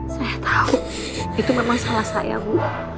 saya tahu itu memang salah saya bu